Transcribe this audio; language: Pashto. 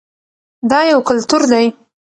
دا یو کلتور دی.